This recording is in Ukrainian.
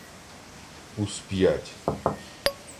— У сп'ять!